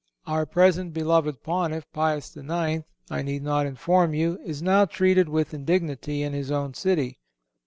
Our present(189) beloved Pontiff, Pius IX., I need not inform you, is now treated with indignity in his own city.